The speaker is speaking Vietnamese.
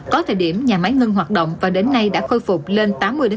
có thời điểm nhà máy ngưng hoạt động và đến nay đã khôi phục lên tám mươi tám mươi năm